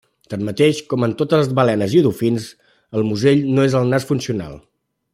Tanmateix, com en totes les balenes i dofins, el musell no és el nas funcional.